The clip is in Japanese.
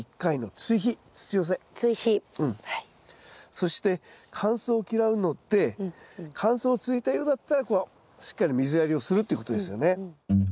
そして乾燥を嫌うので乾燥続いたようだったらこうしっかり水やりをするっていうことですよね。